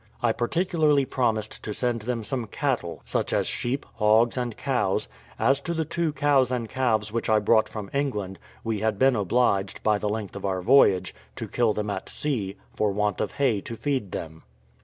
I particularly promised to send them some cattle, such as sheep, hogs, and cows: as to the two cows and calves which I brought from England, we had been obliged, by the length of our voyage, to kill them at sea, for want of hay to feed them.